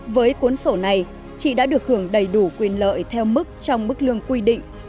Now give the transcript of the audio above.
với cuốn sổ này chị đã được hưởng đầy đủ quyền lợi theo mức trong mức lương quy định